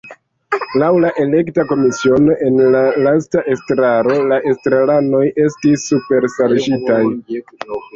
Laŭ la elekta komisiono en la lasta estraro la estraranoj estis “superŝarĝitaj”.